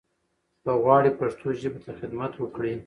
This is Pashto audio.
که غواړٸ پښتو ژبې ته خدمت وکړٸ